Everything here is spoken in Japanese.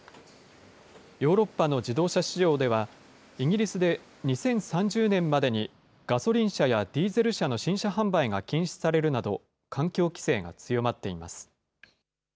ヨーロッパの自動車市場では、イギリスで２０３０年までにガソリン車やディーゼル車の新車販売が禁止されるなど、環境規制が強まっています。